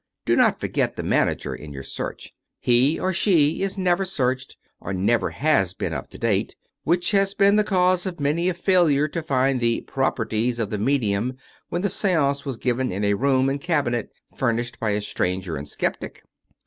... Do not forget the manager in your search. He or she is never searched, or never has been up to date, which has been the cause of many a failure to find the "properties" of the medium when the seance was given in a room and cabinet furnished by a stranger and skeptic.